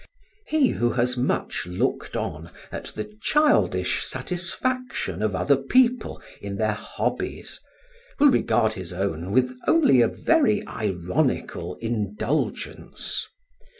He who has much looked on at the childish satisfaction of other people in their hobbies, will regard his own with only a very ironical indulgence.